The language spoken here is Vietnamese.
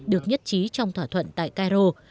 được nhất trí trong thỏa thuận tại cairo